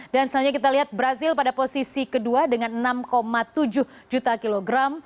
dan selanjutnya kita lihat brazil pada posisi kedua dengan enam tujuh juta kilogram